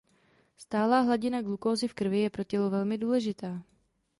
Stálá hladina glukózy v krvi je pro tělo velmi důležitá.